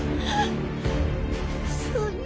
そんな。